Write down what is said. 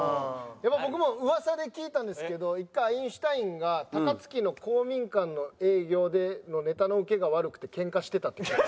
やっぱ僕も噂で聞いたんですけど一回アインシュタインが高槻の公民館の営業でのネタのウケが悪くてケンカしてたって。